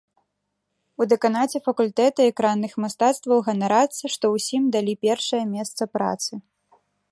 У дэканаце факультэта экранных мастацтваў ганарацца, што ўсім далі першае месца працы.